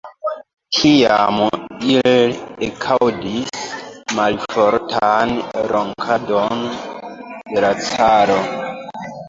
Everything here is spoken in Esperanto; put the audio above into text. Tiam ili ekaŭdis malfortan ronkadon de la caro.